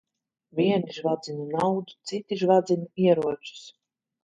Vieni žvadzina naudu, citi žvadzina ieročus.